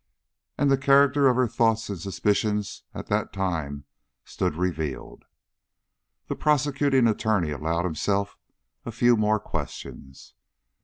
And the character of her thoughts and suspicions at that time stood revealed. The Prosecuting Attorney allowed himself a few more questions.